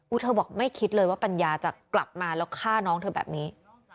เธอบอกไม่คิดเลยว่าปัญญาจะกลับมาแล้วฆ่าน้องเธอแบบนี้